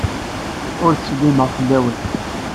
Ur d-ttsellimeɣ fell-awen.